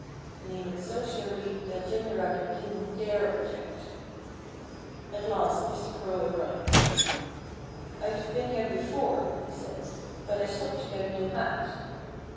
And he looked so surly that Jimmy Rabbit didn't dare object. At last Mr. Crow arrived. "I'd have been here before," he said, "but I stopped to get a new hat."